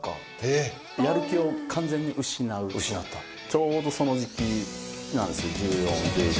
ちょうどその時期なんですよ１４１５。